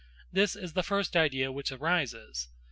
This is the first idea which arises.